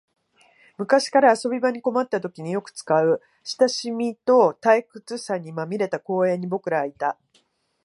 昔から遊び場に困ったときによく使う、親しみと退屈さにまみれた公園に僕らはいた